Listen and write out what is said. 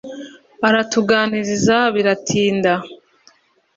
aratuganiriza biratinda